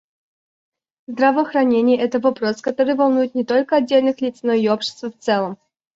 Здравоохранение — это вопрос, который волнует не только отдельных лиц, но и общество в целом.